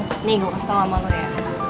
re nih gue kasih tau sama lo ya